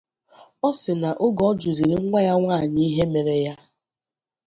Ọ sị na oge ọ jụzịrị nwa ya nwaanyị ihe mere ya